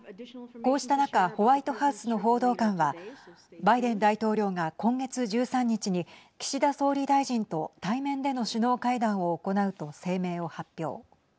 こうした中ホワイトハウスの報道官はバイデン大統領が今月１３日に岸田総理大臣と対面での首脳会談を行うと声明を発表。